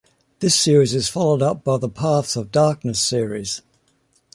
This series is followed up by the "Paths of Darkness" series.